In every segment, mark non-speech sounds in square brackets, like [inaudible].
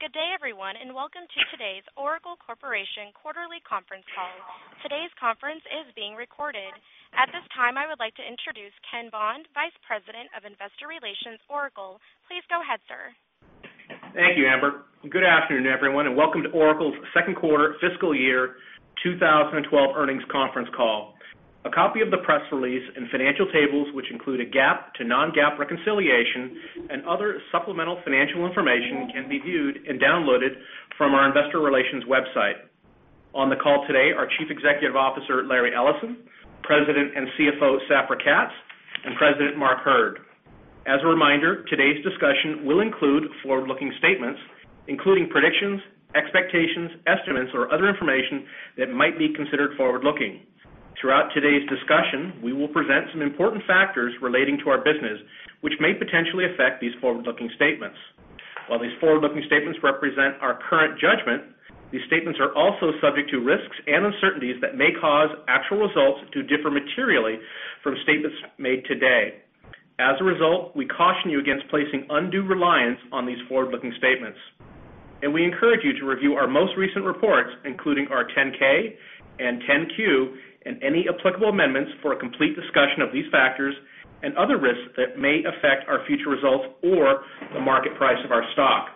Good day, everyone, and welcome to today's Oracle Corporation Quarterly Conference Call. Today's conference is being recorded. At this time, I would like to introduce Ken Bond, Vice President of Investor Relations, Oracle. Please go ahead, sir. Thank you, Amber. Good afternoon, everyone, and welcome to Oracle's Second Quarter Fiscal Year 2012 Earnings Conference Call. A copy of the press release and financial tables, which include a GAAP to non-GAAP reconciliation and other supplemental financial information, can be viewed and downloaded from our Investor Relations website. On the call today are Chief Executive Officer Larry Ellison, President and CFO Safra Catz, and President Mark Hurd. As a reminder, today's discussion will include forward-looking statements, including predictions, expectations, estimates, or other information that might be considered forward-looking. Throughout today's discussion, we will present some important factors relating to our business, which may potentially affect these forward-looking statements. While these forward-looking statements represent our current judgment, these statements are also subject to risks and uncertainties that may cause actual results to differ materially from statements made today. As a result, we caution you against placing undue reliance on these forward-looking statements. We encourage you to review our most recent reports, including our 10-K and 10-Q and any applicable amendments, for a complete discussion of these factors and other risks that may affect our future results or the market price of our stock.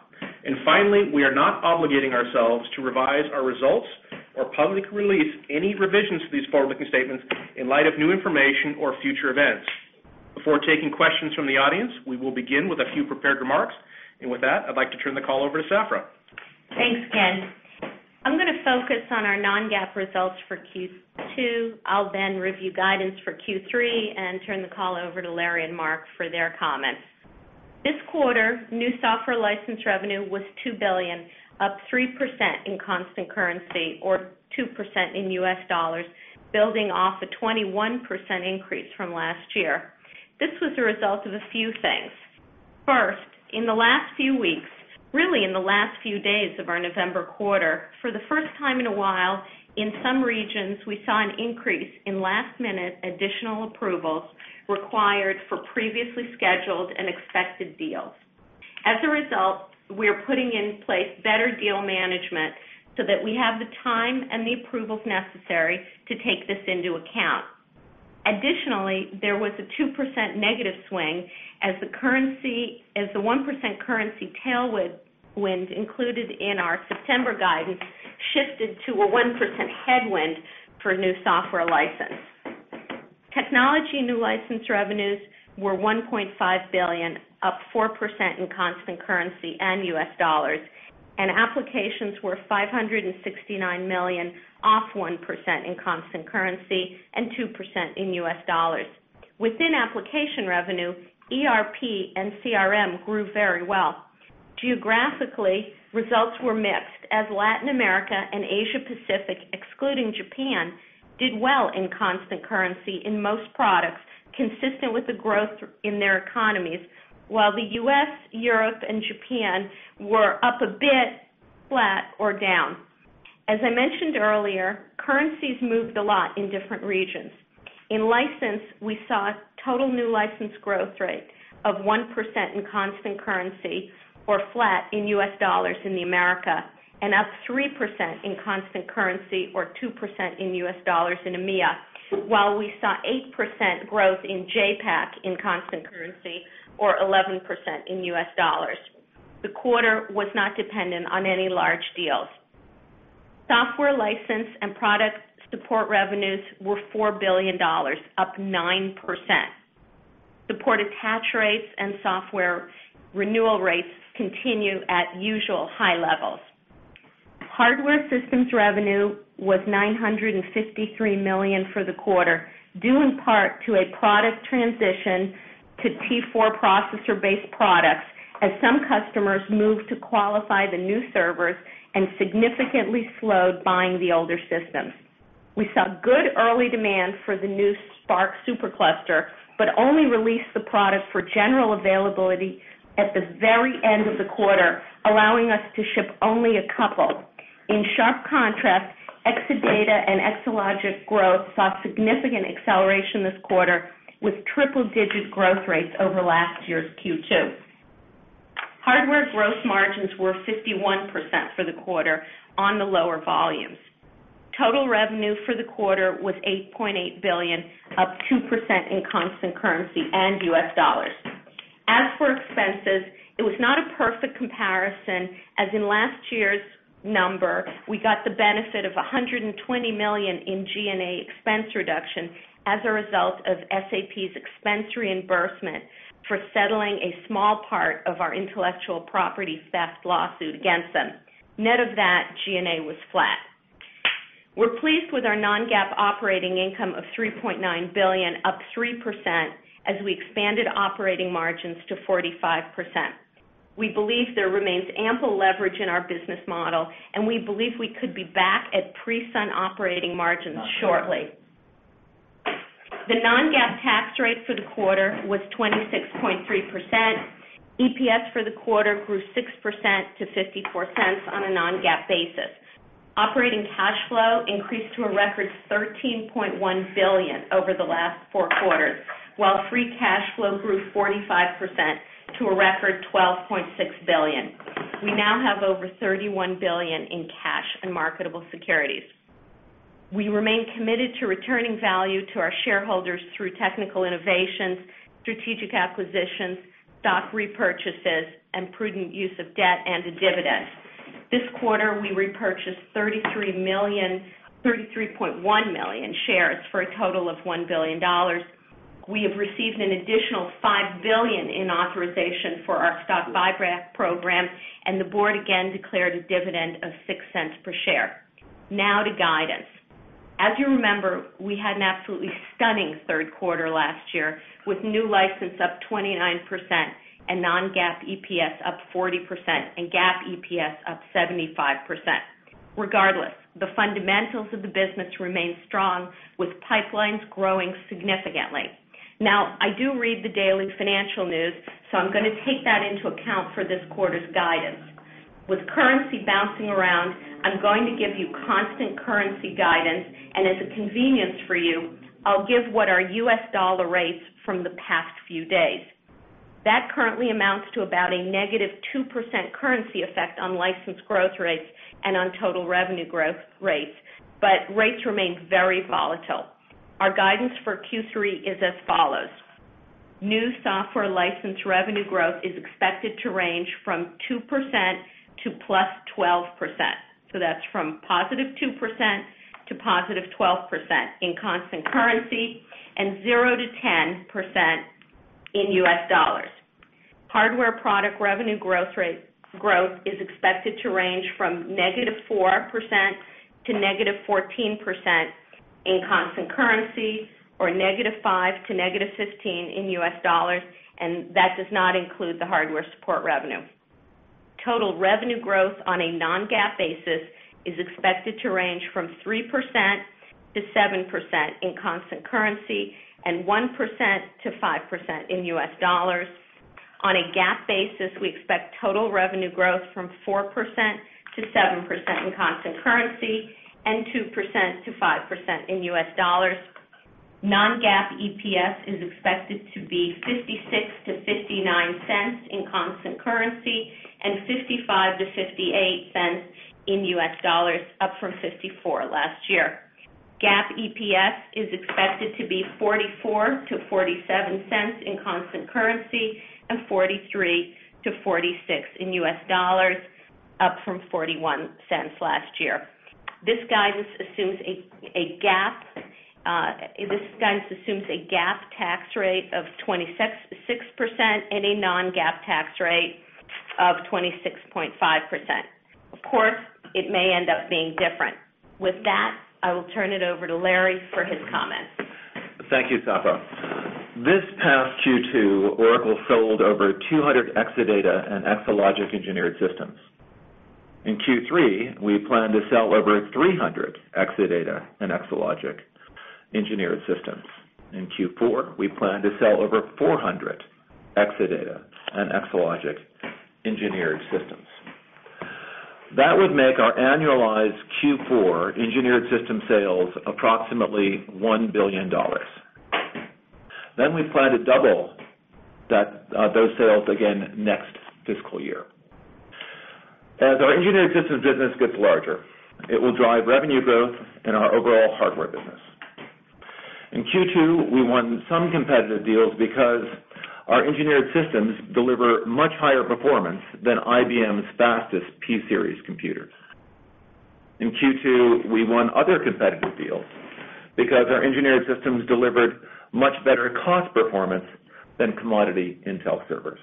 Finally, we are not obligating ourselves to revise our results or publicly release any revisions to these forward-looking statements in light of new information or future events. Before taking questions from the audience, we will begin with a few prepared remarks. With that, I'd like to turn the call over to Safra. Thanks, Ken. I'm going to focus on our non-GAAP results for Q2. I'll then review guidance for Q3 and turn the call over to Larry and Mark for their comments. This quarter, new software license revenue was $2 billion, up 3% in constant currency, or 2% in U.S. dollars, building off a 21% increase from last year. This was a result of a few things. First, in the last few weeks, really in the last few days of our November quarter, for the first time in a while, in some regions, we saw an increase in last-minute additional approvals required for previously scheduled and expected deals. As a result, we are putting in place better deal management so that we have the time and the approvals necessary to take this into account. Additionally, there was a 2% negative swing as the 1% currency tailwind included in our September guidance shifted to a 1% headwind for new software license. Technology new license revenues were $1.5 billion, up 4% in constant currency and U.S. dollars. Applications were $569 million, off 1% in constant currency and 2% in U.S. dollars. Within application revenue, ERP and CRM grew very well. Geographically, results were mixed, as Latin America and Asia Pacific, excluding Japan, did well in constant currency in most products, consistent with the growth in their economies, while the U.S., Europe, and Japan were up a bit, flat, or down. As I mentioned earlier, currencies moved a lot in different regions. In license, we saw a total new license growth rate of 1% in constant currency, or flat in U.S. dollars in the America, and up 3% in constant currency, or 2% in U.S. dollars in EMEA, while we saw 8% growth in Japan in constant currency, or 11% in U.S. dollars. The quarter was not dependent on any large deals. Software license and product support revenues were $4 billion, up 9%. Support attach rates and software renewal rates continue at usual high levels. Hardware systems revenue was $953 million for the quarter, due in part to a product transition to T4 processor-based products, as some customers moved to qualify the new servers and significantly slowed buying the older systems. We saw good early demand for the new SPARC SuperCluster, but only released the products for general availability at the very end of the quarter, allowing us to ship only a couple. In sharp contrast, Exadata and Exalogic growth saw significant acceleration this quarter, with triple-digit growth rates over last year's Q2. Hardware gross margins were 51% for the quarter on the lower volumes. Total revenue for the quarter was $8.8 billion, up 2% in constant currency and U.S. dollars. As for expenses, it was not a perfect comparison, as in last year's number, we got the benefit of $120 million in G&A expense reduction as a result of SAP's expense reimbursement for settling a small part of our intellectual property theft lawsuit against them. Net of that, G&A was flat. We're pleased with our non-GAAP operating income of $3.9 billion, up 3%, as we expanded operating margins to 45%. We believe there remains ample leverage in our business model, and we believe we could be back at pre-Sun operating margins shortly. The non-GAAP tax rate for the quarter was 26.3%. EPS for the quarter grew 6% to $0.54 on a non-GAAP basis. Operating cash flow increased to a record $13.1 billion over the last four quarters, while free cash flow grew 45% to a record $12.6 billion. We now have over $31 billion in cash and marketable securities. We remain committed to returning value to our shareholders through technical innovations, strategic acquisitions, stock repurchases, and prudent use of debt and dividends. This quarter, we repurchased 33.1 million shares for a total of $1 billion. We have received an additional $5 billion in authorization for our stock buy program, and the board again declared a dividend of $0.06 per share. Now to guidance. As you remember, we had an absolutely stunning third quarter last year, with new license up 29% and non-GAAP EPS up 40% and GAAP EPS up 75%. Regardless, the fundamentals of the business remain strong, with pipelines growing significantly. I do read the daily financial news, so I'm going to take that into account for this quarter's guidance. With currency bouncing around, I'm going to give you constant currency guidance. As a convenience for you, I'll give what our U.S. dollar rates from the past few days. That currently amounts to about a negative 2% currency effect on license growth rates and on total revenue growth rates. Rates remain very volatile. Our guidance for Q3 is as follows: New software license revenue growth is expected to range from 2% to +12%. That's from +2% to +12% in constant currency and 0%-10% in U.S. dollars. Hardware product revenue growth rate is expected to range from -4% to -14% in constant currency, or -5% to -15% in U.S. dollars. That does not include the hardware support revenue. Total revenue growth on a non-GAAP basis is expected to range from 3%-7% in constant currency and 1%-5% in U.S. dollars. On a GAAP basis, we expect total revenue growth from 4%-7% in constant currency and 2%-5% in U.S. dollars. Non-GAAP EPS is expected to be $0.56-$0.59 in constant currency and $0.55-$0.58 in U.S. dollars, up from $0.54 last year. GAAP EPS is expected to be $0.44-$0.47 in constant currency and $0.43-$0.46 in U.S. dollars, up from $0.41 last year. This guidance assumes a GAAP tax rate of 26% and a non-GAAP tax rate of 26.5%. Of course, it may end up being different. With that, I will turn it over to Larry for his comments. Thank you, Safra. This past Q2, Oracle sold over 200 Exadata and Exalogic engineered systems. In Q3, we plan to sell over 300 Exadata and Exalogic engineered systems. In Q4, we plan to sell over 400 Exadata and Exalogic engineered systems. That would make our annualized Q4 engineered system sales approximately $1 billion. We plan to double those sales again next fiscal year. As our engineered systems business gets larger, it will drive revenue growth in our overall hardware business. In Q2, we won some competitive deals because our engineered systems deliver much higher performance than IBM's fastest pSeries computers. In Q2, we won other competitive deals because our engineered systems delivered much better cost performance than commodity Intel servers.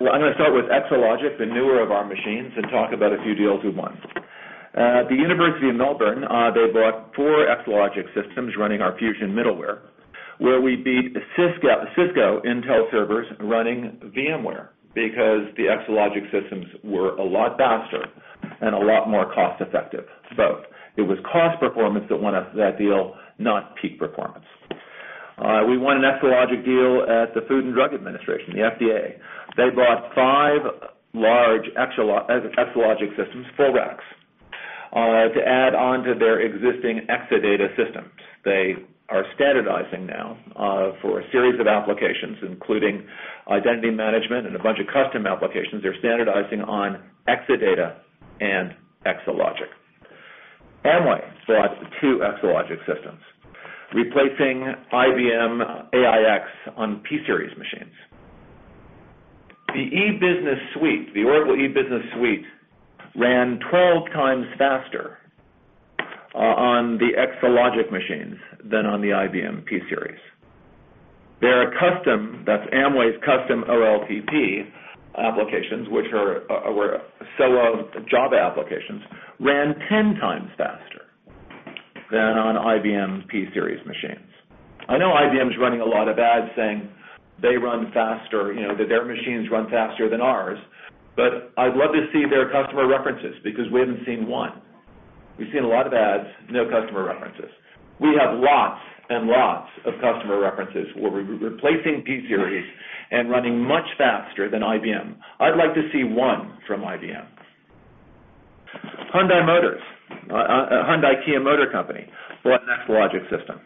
I'm going to start with Exalogic, the newer of our machines, and talk about a few deals we won. At the University of Melbourne, they bought four Exalogic systems running our Fusion middleware, where we beat Cisco Intel servers running VMware because the Exalogic systems were a lot faster and a lot more cost-effective. It's both. It was cost performance that won us that deal, not peak performance. We won an Exalogic deal at the Food and Drug Administration, the FDA. They bought five large Exalogic systems, full racks, to add on to their existing Exadata systems. They are standardizing now for a series of applications, including identity management and a bunch of custom applications. They're standardizing on Exadata and Exalogic. Amway bought two Exalogic systems, replacing IBM AIX on pSeries machines. The E-Business Suite, the Oracle E-business Suite, ran 12 times faster on the Exalogic machines than on the IBM pSeries. Their custom, that's Amway's custom OLTP applications, which were solo Java applications, ran 10x faster than on IBM pSeries machines. I know IBM is running a lot of ads saying they run faster, that their machines run faster than ours. I'd love to see their customer references because we haven't seen one. We've seen a lot of ads, no customer references. We have lots and lots of customer references where we're replacing pSeries and running much faster than IBM. I'd like to see one from IBM. Hyundai Motors, Hyundai Kia Motor Company, bought an Exalogic system.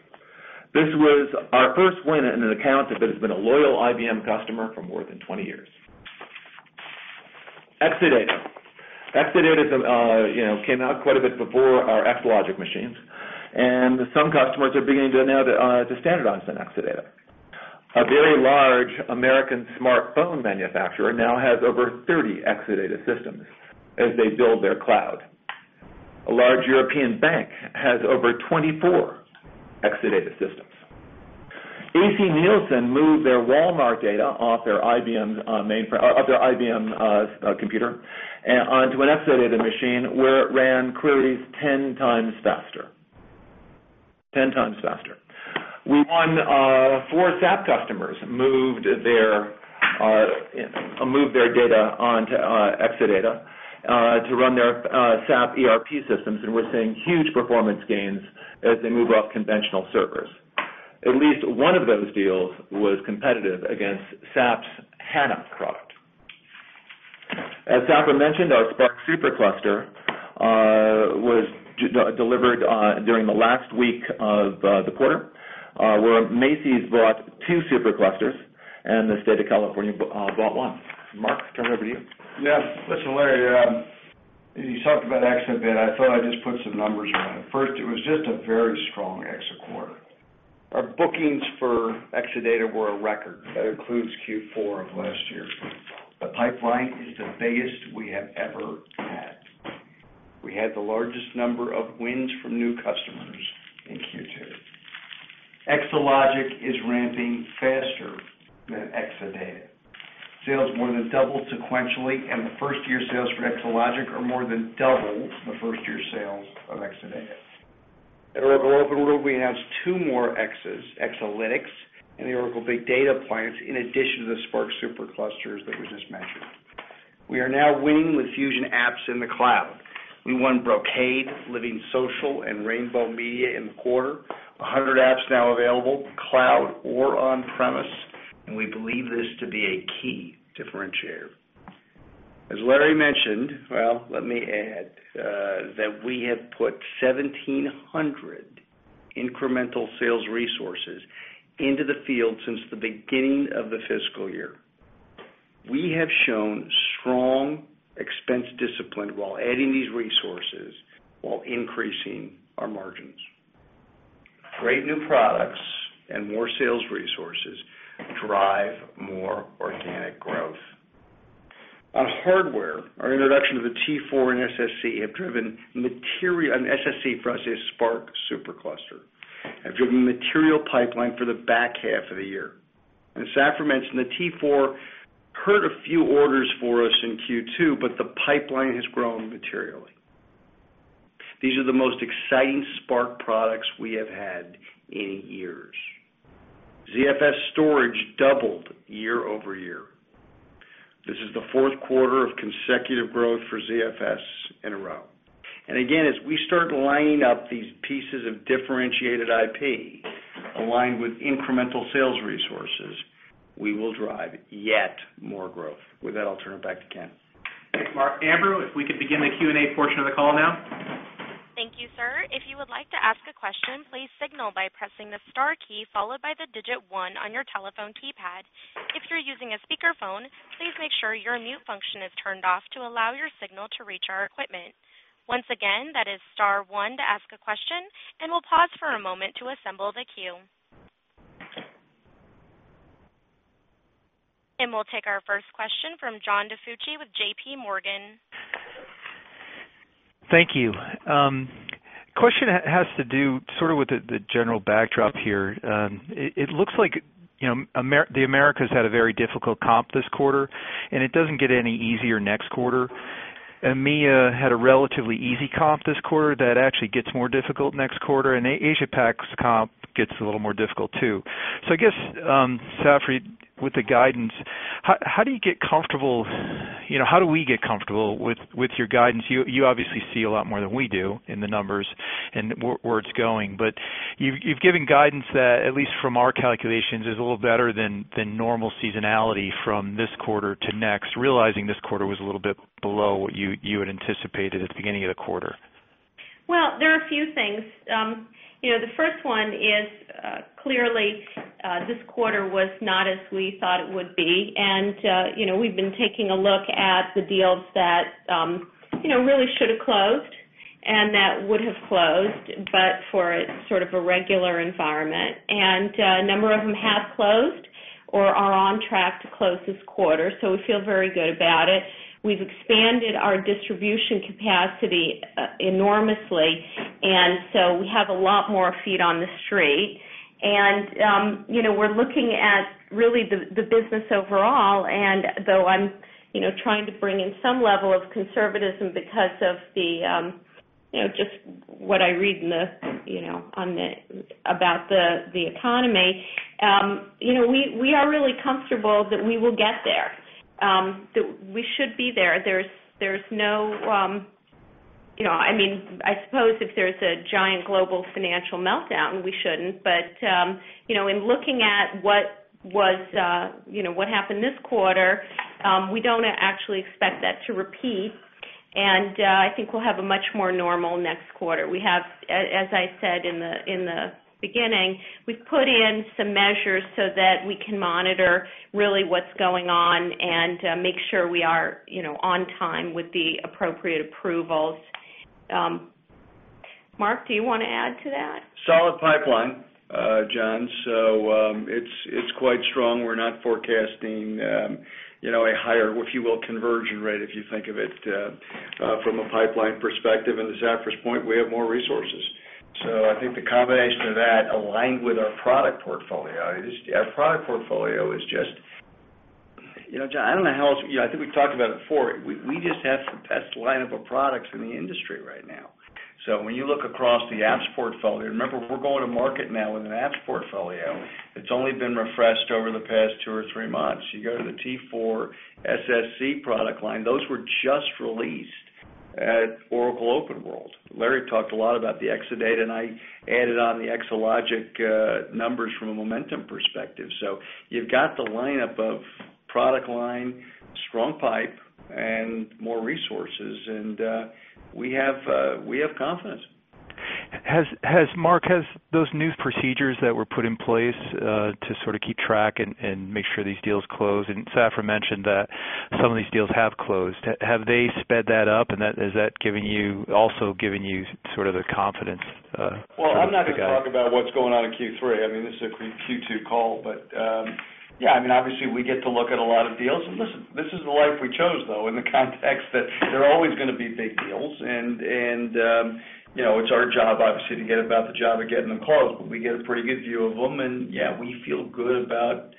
This was our first win in an account that has been a loyal IBM customer for more than 20 years. Exadata. Exadata came out quite a bit before our Exalogic machines. Some customers are beginning now to standardize on Exadata. A very large American smartphone manufacturer now has over 30 Exadata systems as they build their cloud. A large European bank has over 24 Exadata systems. AC Nielsen moved their Walmart data off their IBM computer onto an Exadata machine, where it ran queries 10x faster. 10x faster. We found four SAP customers moved their data onto Exadata to run their SAP ERP systems, and we're seeing huge performance gains as they move off conventional servers. At least one of those deals was competitive against SAP's HANA product. As Safra mentioned, our SPARC SuperCluster was delivered during the last week of the quarter, where Macy's bought two SuperClusters, and the state of California bought one. Mark, turn it over to you. Yeah. First, Larry, you talked about Exadata. I thought I'd just put some numbers around. First, it was just a very strong Exa quarter. Our bookings for Exadata were a record. That includes Q4 of last year. The pipeline is the biggest we have ever. We had the largest number of wins from new customers in Q2. Exalogic is ramping faster than Exadata. Sales more than doubled sequentially. The first-year sales for Exalogic are more than double the first-year sales of Exadata. At Oracle OpenWorld, we announced two more Exas, Exalytics, and the Oracle Big Data Appliance, in addition to the SPARC SuperCluster that we just mentioned. We are now winning with Fusion apps in the cloud. We won Brocade, Living Social, and Rainbow Media in the quarter. 100 apps now available cloud or on-premise. We believe this to be a key differentiator. As Larry mentioned, let me add that we have put 1,700 incremental sales resources into the field since the beginning of the fiscal year. We have shown strong expense discipline while adding these resources, while increasing our margins. Great new products and more sales resources drive more organic growth. On hardware, our introduction of the T4 and SSC have driven material. SSC for us is SPARC SuperCluster. It's driven material pipeline for the back half of the year. Safra mentioned the T4 hurt a few orders for us in Q2. The pipeline has grown materially. These are the most exciting SPARC products we have had in years. ZFS storage doubled year-over-year. This is the fourth quarter of consecutive growth for ZFS in a row. As we start lining up these pieces of differentiated IP aligned with incremental sales resources, we will drive yet more growth. With that, I'll turn it back to Ken. Amber, if we could begin the Q&A portion of the call now. Thank you, sir. If you would like to ask a question, please signal by pressing the star key followed by the digit one on your telephone keypad. If you're using a speakerphone, please make sure your mute function is turned off to allow your signal to reach our equipment. Once again, that is star one to ask a question. We'll pause for a moment to assemble the queue. We'll take our first question from John DiFucci with JPMorgan. Thank you. The question has to do with the general backdrop here. It looks like the Americas had a very difficult comp this quarter. It doesn't get any easier next quarter. EMEA had a relatively easy comp this quarter that actually gets more difficult next quarter. The Asia Pac comp gets a little more difficult, too. I guess, Safra, with the guidance, how do you get comfortable? How do we get comfortable with your guidance? You obviously see a lot more than we do in the numbers and where it's going. You've given guidance that, at least from our calculations, is a little better than normal seasonality from this quarter to next, realizing this quarter was a little bit below what you had anticipated at the beginning of the quarter. There are a few things. The first one is clearly this quarter was not as we thought it would be. We've been taking a look at the deals that really should have closed and that would have closed, but for sort of a regular environment. A number of them have closed or are on track to close this quarter. We feel very good about it. We've expanded our distribution capacity enormously, so we have a lot more feet on the street. We're looking at really the business overall. Though I'm trying to bring in some level of conservatism because of just what I read about the economy, we are really comfortable that we will get there, that we should be there. There's no, I mean, I suppose if there's a giant global financial meltdown, we shouldn't. In looking at what happened this quarter, we don't actually expect that to repeat. I think we'll have a much more normal next quarter. As I said in the beginning, we've put in some measures so that we can monitor really what's going on and make sure we are on time with the appropriate approvals. Mark, do you want to add to that? Solid pipeline, John. It's quite strong. We're not forecasting, you know, a higher, if you will, conversion rate, if you think of it, from a pipeline perspective. To Safra's point, we have more resources. I think the combination of that aligned with our product portfolio. Our product portfolio is just, you know, John, I don't know how else, you know, I think we've talked about it before. We just have the best lineup of products in the industry right now. When you look across the apps portfolio, remember, we're going to market now with an apps portfolio. It's only been refreshed over the past two or three months. You go to the T4 processor SPARC SuperCluster product line. Those were just released at Oracle OpenWorld. Larry talked a lot about the Exadata. I added on the Exalogic numbers from a momentum perspective. You've got the lineup of product line, strong pipeline, and more resources. We have confidence. Mark, those new procedures that were put in place to sort of keep track and make sure these deals close, Safra mentioned that some of these deals have closed. Have they sped that up? Has that given you, also given you sort of the confidence? I'm not going to talk about what's going on in Q3. This is a Q2 call. Obviously, we get to look at a lot of deals. This is the life we chose, though, in the context that there are always going to be big deals. It's our job, obviously, to get about the job of getting them called. We get a pretty good view of them. We feel good about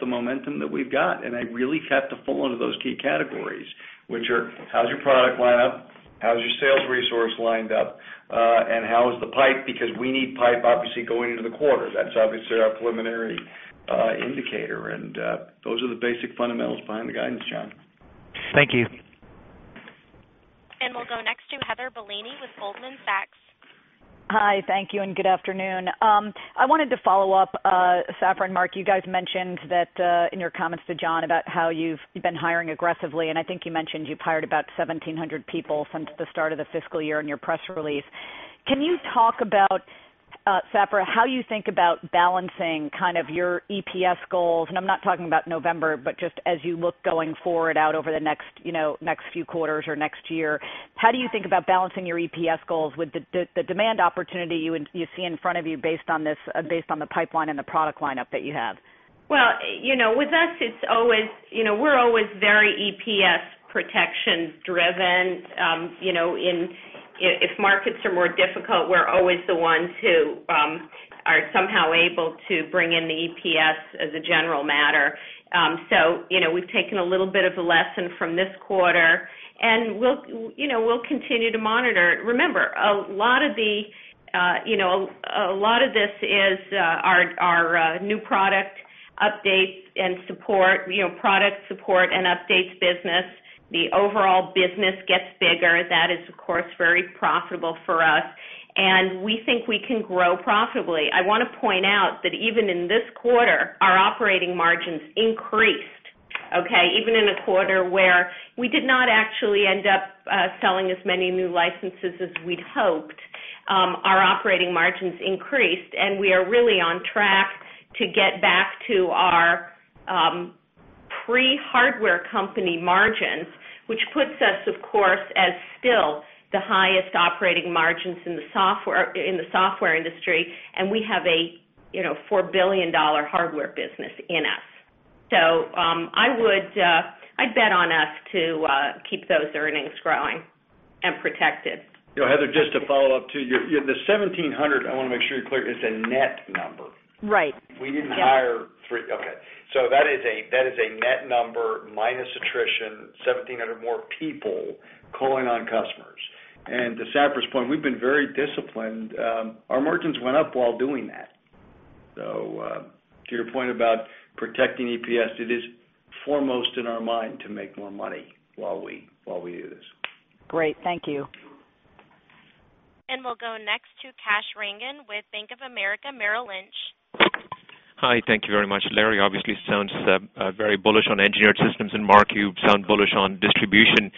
the momentum that we've got. I really have to fall into those key categories, which are, how's your product lineup? How's your sales resource lined up? How is the pipe? We need pipe, obviously, going into the quarters. That's obviously our preliminary indicator. Those are the basic fundamentals behind the guidance, John. Thank you. We will go next to Heather Bellini with Goldman Sachs. Hi. Thank you, and good afternoon. I wanted to follow up, Safra and Mark, you guys mentioned that in your comments to John about how you've been hiring aggressively. I think you mentioned you've hired about 1,700 people since the start of the fiscal year in your press release. Can you talk about, Safra, how you think about balancing kind of your EPS goals? I'm not talking about November, but just as you look going forward out over the next few quarters or next year, how do you think about balancing your EPS goals with the demand opportunity you see in front of you based on the pipeline and the product lineup that you have? You know, with us, it's always, you know, we're always very EPS protection-driven. If markets are more difficult, we're always the ones who are somehow able to bring in the EPS as a general matter. We've taken a little bit of a lesson from this quarter, and we'll continue to monitor. Remember, a lot of this is our new product updates and support, product support and updates business. The overall business gets bigger. That is, of course, very profitable for us, and we think we can grow profitably. I want to point out that even in this quarter, our operating margins increased, Okay? Even in a quarter where we did not actually end up selling as many new licenses as we'd hoped, our operating margins increased. We are really on track to get back to our pre-hardware company margins, which puts us, of course, as still the highest operating margins in the software industry. We have a $4 billion hardware business in us. I would bet on us to keep those earnings growing and protected. Heather, just to follow up too, the 1,700, I want to make sure you're clear, is a net number. Right. We didn't hire three. Okay, that is a net number minus attrition, 1,700 more people calling on customers. To Safra's point, we've been very disciplined. Our margins went up while doing that. To your point about protecting EPS, it is foremost in our mind to make more money while we do this. Great. Thank you. We will go next to Kash Rangan with Bank of America Merrill Lynch. Hi. Thank you very much. Larry, obviously, sounds very bullish on engineered systems. Mark, you sound bullish on distribution.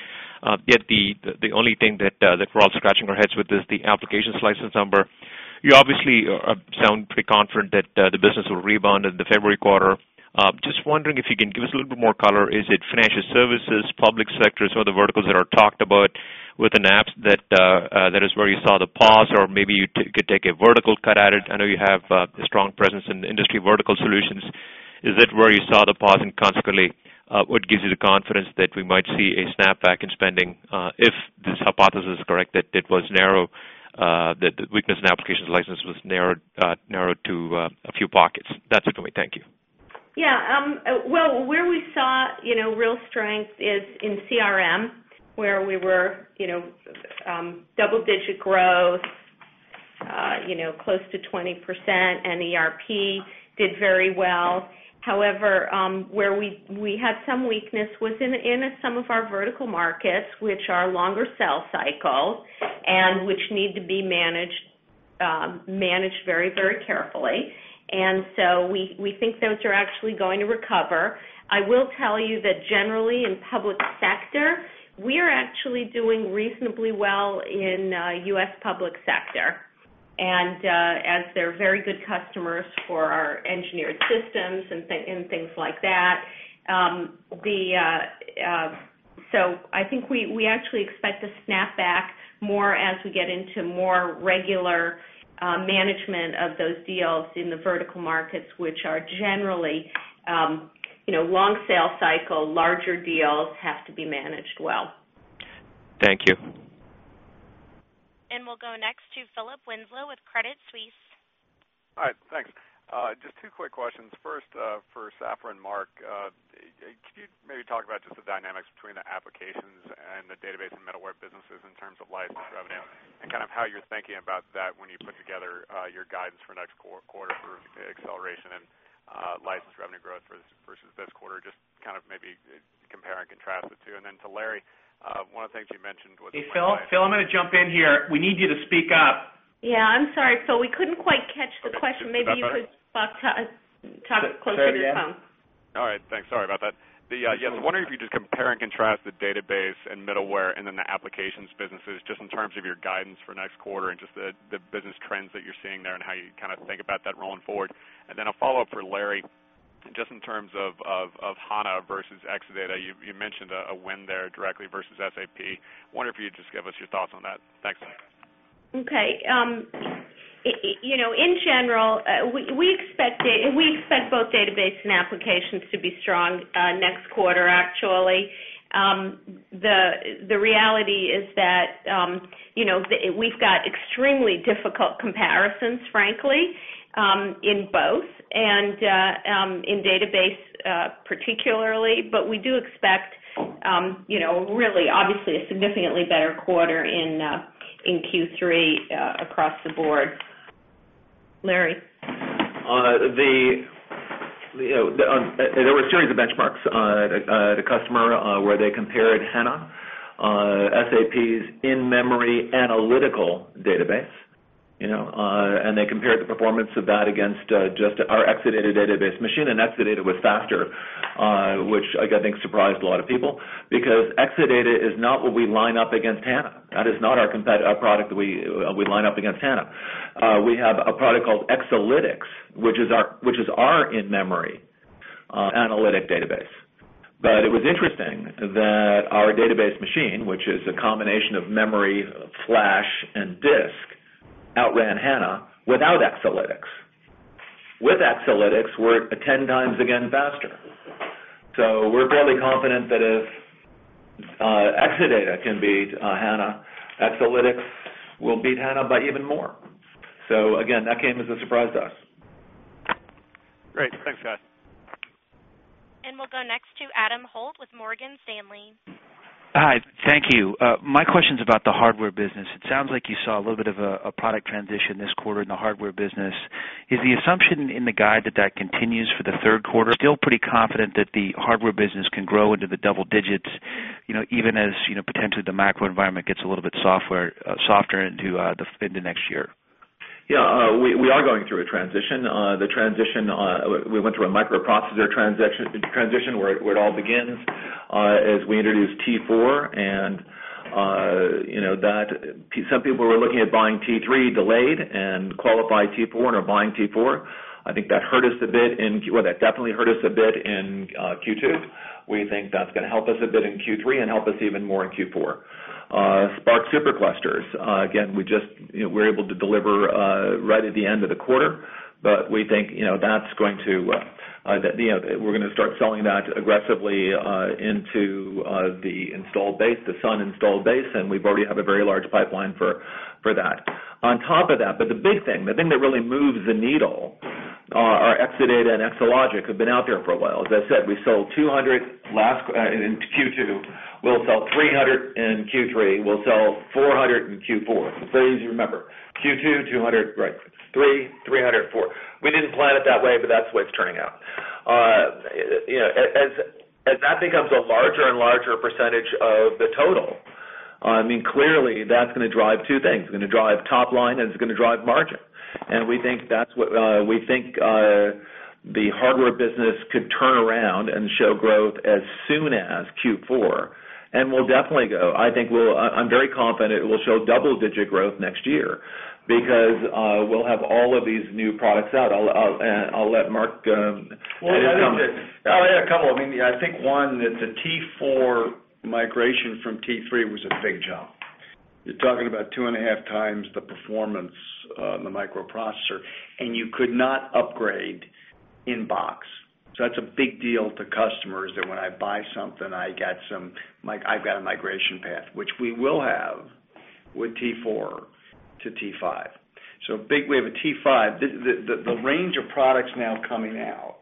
Yet the only thing that we're also scratching our heads with is the applications license number. You obviously sound pretty confident that the business will rebound in the February quarter. Just wondering if you can give us a little bit more color. Is it financial services, public sector, some of the verticals that are talked about within apps that is where you saw the pause? Maybe you could take a vertical cut at it. I know you have a strong presence in industry vertical solutions. Is it where you saw the pause? Consequently, what gives you the confidence that we might see a snapback in spending if this hypothesis is correct that it was narrow, that the weakness in applications license was narrowed to a few pockets? That's it for me. Thank you. Where we saw real strength is in CRM, where we were double-digit growth, close to 20%. ERP did very well. However, where we had some weakness was in some of our vertical markets, which are longer sell cycles and which need to be managed very, very carefully. We think those are actually going to recover. I will tell you that generally, in public sector, we are actually doing reasonably well in the U.S. public sector, as they're very good customers for our engineered systems and things like that. I think we actually expect a snapback more as we get into more regular management of those deals in the vertical markets, which are generally long sell cycle, larger deals have to be managed well. Thank you. We will go next to Philip Winslow with Credit Suisse. All right. Thanks. Just two quick questions. First, for Safra and Mark, could you maybe talk about just the dynamics between the applications and the database and middleware businesses in terms of live revenue, and kind of how you're thinking about that when you put together your guidance for next quarter for acceleration and live revenue growth versus this quarter? Just kind of maybe compare and contrast the two. To Larry, one of the things you mentioned was. Phil, I'm going to jump in here. We need you to speak up. I'm sorry. Phil, we couldn't quite catch the question. Maybe you could talk closer to your phone. All right. Thanks. Sorry about that. I was wondering if you could just compare and contrast the database and middleware and then the applications businesses just in terms of your guidance for next quarter and just the business trends that you're seeing there and how you kind of think about that rolling forward. I'll follow up for Larry. In terms of HANA versus Exadata, you mentioned a win there directly versus SAP. I wonder if you could just give us your thoughts on that. Thanks. OK. In general, we expect both database and applications to be strong next quarter, actually. The reality is that we've got extremely difficult comparisons, frankly, in both and in database particularly. We do expect, obviously, a significantly better quarter in Q3 across the board. Larry? There were a series of benchmarks at a customer where they compared HANA, SAP's in-memory analytical database. They compared the performance of that against just our Exadata database machine. Exadata was faster, which I think surprised a lot of people because Exadata is not what we line up against HANA. That is not our product that we line up against HANA. We have a product called Exalytics, which is our in-memory analytic database. It was interesting that our database machine, which is a combination of memory, flash, and disk, outran HANA without Exalytics. With Exalytics, we're 10x again faster. We're fairly confident that if Exadata can beat HANA, Exalytics will beat HANA by even more. That came as a surprise to us. Great. Thanks, guys. We will go next to Adam Holt with Morgan Stanley. Hi. Thank you. My question is about the hardware business. It sounds like you saw a little bit of a product transition this quarter in the hardware business. Is the assumption in the guide that that continues for the third quarter? Still pretty confident that the hardware business can grow into the double digits, even as potentially the macro environment gets a little bit softer into the next year? Yeah. We are going through a transition. The transition, we went through a microprocessor transition where it all begins as we introduced T4. Some people were looking at buying T3, delayed and qualified T4, and are buying T4. I think that hurt us a bit in, that definitely hurt us a bit in Q2. We think that's going to help us a bit in Q3 and help us even more in Q4. SPARC SuperCluster, again, we just were able to deliver right at the end of the quarter. We think that's going to, we are going to start selling that aggressively into the installed base, the Sun installed base. We already have a very large pipeline for that. On top of that, the big thing, the thing that really moves the needle, our Exadata and Exalogic have been out there for a while. As I said, we sold 200 last in Q2. We'll sell 300 in Q3. We'll sell 400 in Q4. It's very easy to remember. Q2, 200, right. 3, 300, 4. We didn't plan it that way, but that's the way it's turning out. As that becomes a larger and larger percentage of the total, I mean, clearly, that's going to drive two things. It's going to drive top line. It's going to drive margin. We think that's what we think the hardware business could turn around and show growth as soon as Q4. We will definitely go, I think, I'm very confident it will show double-digit growth next year because we'll have all of these new products out. I'll let Mark come. I had a couple. I mean, I think one, that the T4 migration from T3 was a big jump. You're talking about 2.5x the performance on the microprocessor. You could not upgrade in box. That's a big deal to customers that when I buy something, I got some, I've got a migration path, which we will have with T4 to T5. We have a T5. The range of products now coming out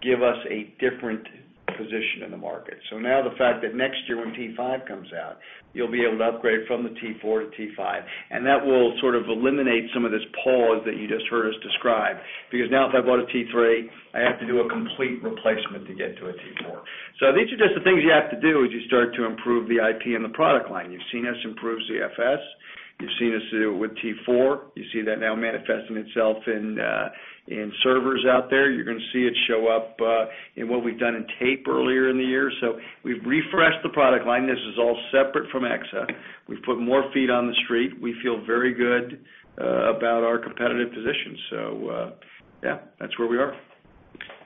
gives us a different position in the market. The fact that next year when T5 comes out, you'll be able to upgrade from the T4 to T5. That will sort of eliminate some of this pause that you just heard us describe. If I bought a T3, I have to do a complete replacement to get to a T4. These are just the things you have to do as you start to improve the IP and the product line. You've seen us improve ZFS. You've seen us do it with T4. You see that now manifesting itself in servers out there. You're going to see it show up in what we've done in tape earlier in the year. We've refreshed the product line. This is all separate from Exa. We've put more feet on the street. We feel very good about our competitive position. Yeah, that's where we are.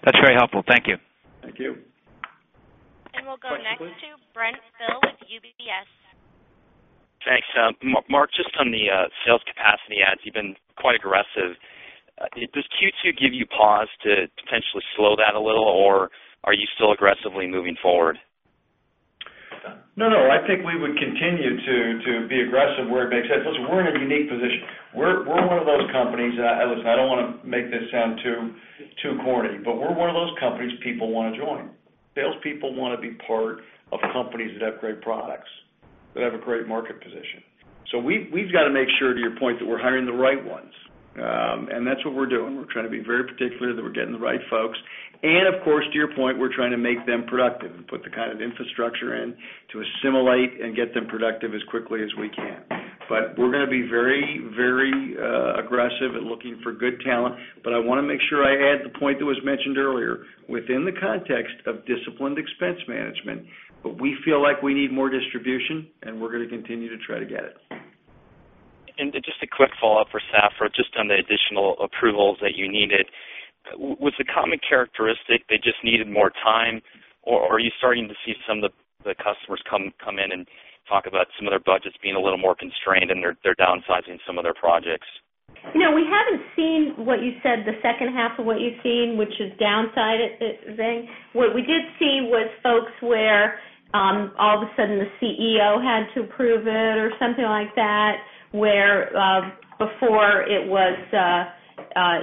That's very helpful. Thank you. Thank you. We will go next to Brent Thill with UBS. Thanks. Mark, just on the sales capacity adds, you've been quite aggressive. Does Q2 give you pause to potentially slow that a little, or are you still aggressively moving forward? No, no. I think we would continue to be aggressive where it makes sense. Listen, we're in a unique position. We're one of those companies people want to join. Salespeople want to be part of companies that have great products, that have a great market position. We have to make sure, to your point, that we're hiring the right ones. That's what we're doing. We're trying to be very particular that we're getting the right folks. Of course, to your point, we're trying to make them productive and put the kind of infrastructure in to assimilate and get them productive as quickly as we can. We're going to be very, very aggressive at looking for good talent. I want to make sure I add the point that was mentioned earlier within the context of disciplined expense management. We feel like we need more distribution, and we're going to continue to try to get it. A quick follow-up for Safra, just on the additional approvals that you needed. Was the common characteristic they just needed more time? Are you starting to see some of the customers come in and talk about some of their budgets being a little more constrained and they're downsizing some of their projects? You know, we haven't seen what you said, the second half of what you've seen, which is downside thing. What we did see was folks where all of a sudden the CEO had to approve it or something like that, where before it was,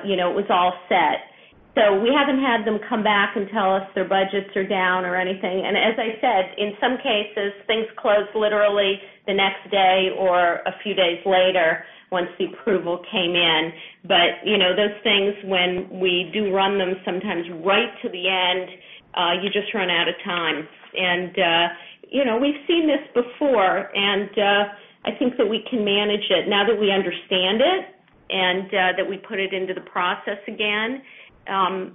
you know, it was all set. We haven't had them come back and tell us their budgets are down or anything. As I said, in some cases, things closed literally the next day or a few days later once the approval came in. You know those things, when we do run them sometimes right to the end, you just run out of time. We've seen this before. I think that we can manage it now that we understand it and that we put it into the process again. I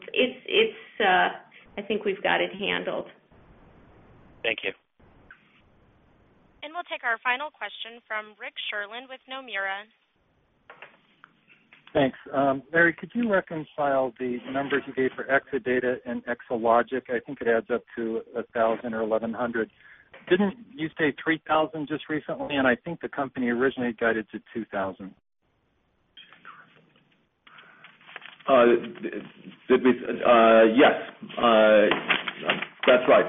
think we've got it handled. Thank you. We will take our final question from Rick Sherlund with Nomura. Thanks. Larry, could you reconcile the numbers you gave for Exadata and Exalogic? I think it adds up to 1,000 or 1,100. Didn't you say 3,000 just recently? I think the company originally got it to 2,000. Yes, that's right.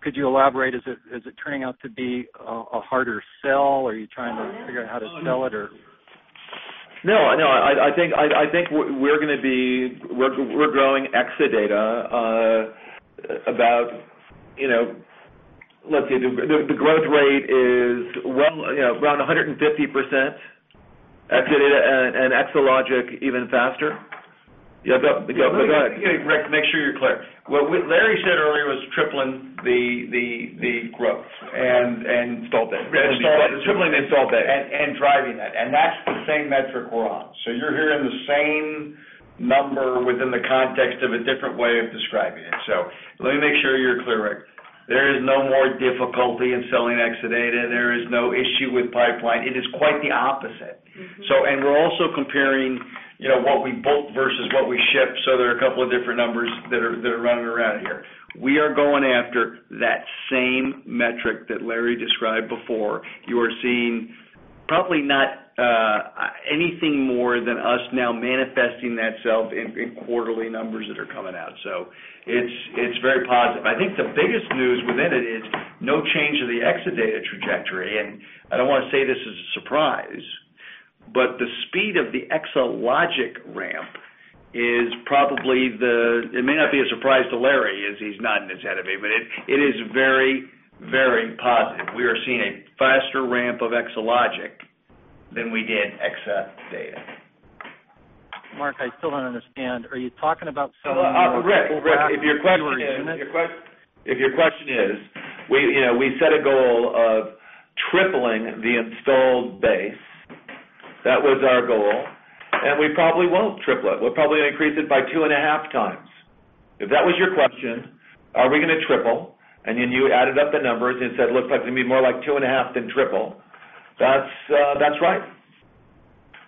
Could you elaborate? Is it turning out to be a harder sell? Are you trying to figure out how to sell it, or? I think we're going to be, we're growing Exadata about, you know, let's see, the growth rate is around 150%. Exadata and Exalogic even faster. Yeah, go ahead. Rick, make sure you're clear. What Larry said earlier was tripling the growth. It stalled. [crosstalk] Tripling and stalled it. Driving that. That's the same metric we're on. You're hearing the same number within the context of a different way of describing it. Let me make sure you're clear, Rick. There is no more difficulty in selling Exadata. There is no issue with pipeline. It is quite the opposite. We're also comparing what we bolt versus what we ship. There are a couple of different numbers that are running around here. We are going after that same metric that Larry described before. You are seeing probably not anything more than us now manifesting that sell in quarterly numbers that are coming out. It's very positive. I think the biggest news within it is no change in the Exadata trajectory. I don't want to say this is a surprise. The speed of the Exalogic ramp is probably the, it may not be a surprise to Larry as he's nodding his head a bit. It is very, very positive. We are seeing a faster ramp of Exalogic than we did Exadata. Mark, I still don't understand. Are you talking about selling? Rick, if your question is, you know, we set a goal of tripling the installed base. That was our goal. We probably won't triple it. We'll probably increase it by 2.5x. If that was your question, are we going to triple? You added up the numbers and said it looks like it's going to be more like 2.5 than triple. That's right.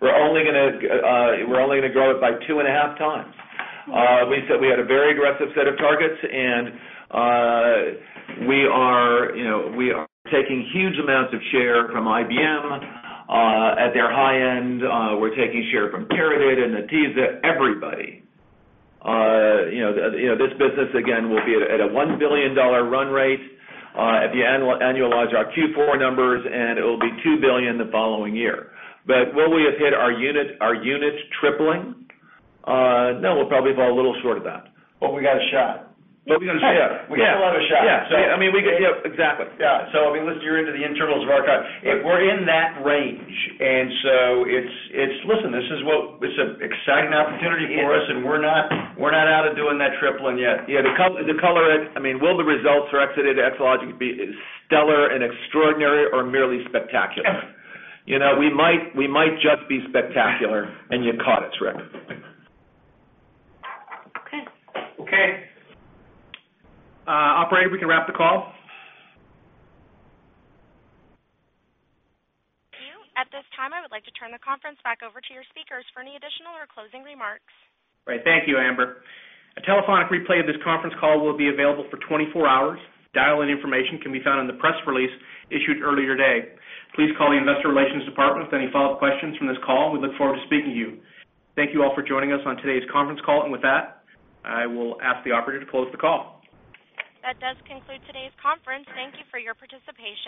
We're only going to grow it by 2.5x. We said we had a very aggressive set of targets. We are taking huge amounts of share from IBM at their high end. We're taking share from Teradata and Netezza, everybody. This business, again, will be at a $1 billion run rate if you annualize our Q4 numbers. It will be $2 billion the following year. Will we have hit our units tripling? No, we'll probably fall a little short of that. We got a shot. We got a shot. Yeah. We still have a shot. [crosstalk] Yeah. I mean, we could. Yeah, exactly. Yeah. I mean, listen, you're into the internals of our customers. We're in that range. This is what's an exciting opportunity for us. We're not out of doing that tripling yet. The color that, I mean, will the results for Exadata and Exalogic be stellar and extraordinary or merely spectacular? We might just be spectacular. You caught us, Rick. Operator, we can wrap the call. Thank you. At this time, I would like to turn the conference back over to your speakers for any additional or closing remarks. Right. Thank you, Amber. A telephonic replay of this conference call will be available for 24 hours. Dial-in information can be found in the press release issued earlier today. Please call the Investor Relations Department with any follow-up questions from this call. We look forward to speaking to you. Thank you all for joining us on today's conference call. I will ask the operator to close the call. That does conclude today's conference. Thank you for your participation.